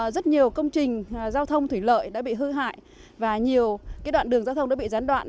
rất nhiều công trình giao thông thủy lợi đã bị hư hại và nhiều đoạn đường giao thông đã bị gián đoạn